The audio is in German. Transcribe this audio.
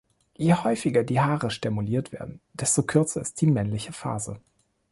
Je häufiger die Haare stimuliert werden, desto kürzer ist die männliche Phase.